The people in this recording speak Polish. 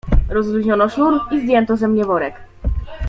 "Rozluźniono sznur i zdjęto ze mnie worek."